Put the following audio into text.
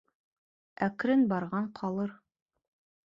Әкрен барған ҡалыр